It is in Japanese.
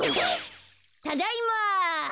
ただいま。